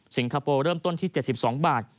สิงคาโพลเริ่มต้นที่๗๒บาท